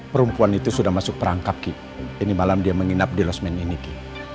perempuan itu sudah masuk perangkap kip ini malam dia menginap di losmen ini ki